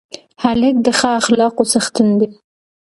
هلک د ښه اخلاقو څښتن دی.